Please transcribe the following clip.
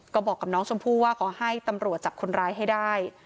ก็บอกกับน้องชมพู่ว่าขอให้ตำรวจจับคนร้ายให้ได้